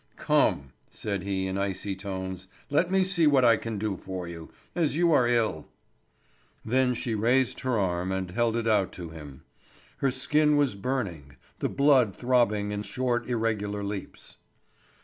"Come," said he in icy tones, "let me see what I can do for you, as you are ill." Then she raised her arm and held it out to him. Her skin was burning, the blood throbbing in short irregular leaps.